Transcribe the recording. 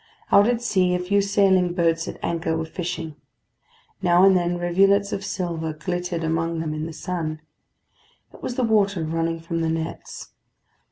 Out at sea a few sailing boats at anchor were fishing. Now and then rivulets of silver glittered among them in the sun: it was the water running from the nets.